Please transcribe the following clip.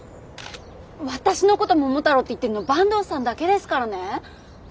私のこと桃太郎って言ってるの坂東さんだけですからね。